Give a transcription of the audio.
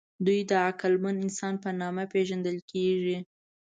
دوی د عقلمن انسان په نامه پېژندل کېږي.